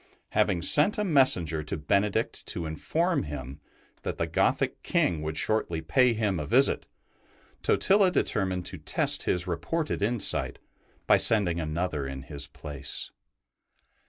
Having sent a messenger to Benedict to in form him that the Gothic King would shortly pay him a visit, Totila determined to test his reported insight by sending another in his place.